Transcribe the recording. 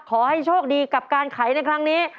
ขอให้โชคดีกับการไขในครั้งนี้